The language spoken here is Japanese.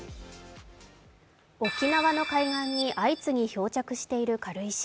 沖縄の海岸に相次ぎ漂着している軽石。